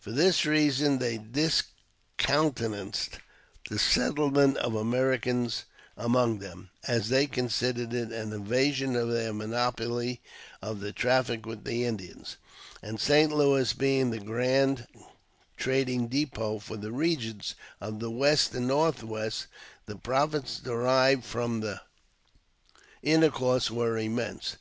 For this reason they discountenanced the settle ment of Americans among them, as they considered it an invasion of their monopoly of the traffic with the Indians ; and St. Louis being the grand trading depot for the regions of the West and North west, the profits derived from the intercourse were immense.